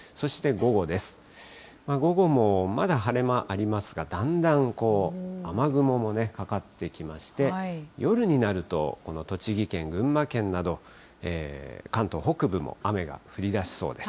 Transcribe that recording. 午後もまだ晴れ間ありますが、だんだん雨雲もかかってきまして、夜になると、この栃木県、群馬県など、関東北部も雨が降りだしそうです。